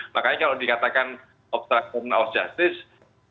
makanya kalau dikatakan obstruction of justice